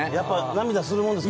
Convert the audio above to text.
涙するもんですか？